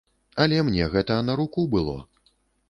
Але мне гэта на руку было.